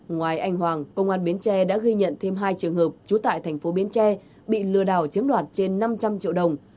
ngoài anh hoàng công an bến tre đã ghi nhận thêm hai trường hợp trú tại thành phố bến tre bị lừa đảo chiếm đoạt trên năm trăm linh triệu đồng